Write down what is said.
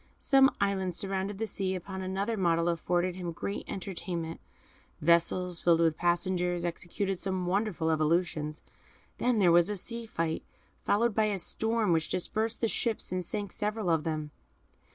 Some islands surrounded by the sea, upon another model, afforded him great entertainment. Vessels filled with passengers executed some wonderful evolutions; then there was a sea fight, followed by a storm, which dispersed the ships and sank several of them.